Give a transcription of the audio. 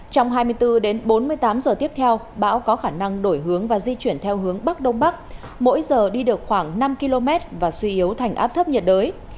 trong hai mươi bốn đến bốn mươi tám giờ tiếp theo bão có khả năng đổi hướng và di chuyển theo hướng bắc đông bắc mỗi giờ đi được khoảng năm km và suy yếu thành áp thấp nhiệt đới